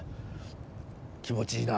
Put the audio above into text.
気持ちいいな。